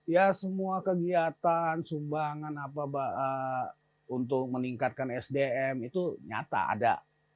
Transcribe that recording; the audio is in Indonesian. ya semua kegiatan sumbangan untuk meningkatkan sdm itu nyata ada